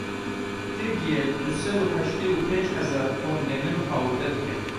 Tirkiye, du sed û heştê û penc hezar ton genim hawirde dike.